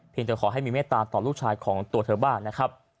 จะขอให้มีเมตตาต่อลูกชายของตัวเธอบ้างนะครับ